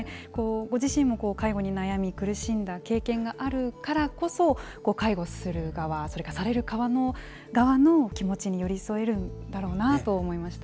ご自身も介護に悩み苦しんだ経験があるからこそ、介護する側、それからされる側の気持ちに寄り添えるんだろうなと思いました。